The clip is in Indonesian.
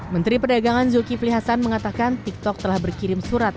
menteri perdagangan zulkifli hasan mengatakan tiktok telah berkirim surat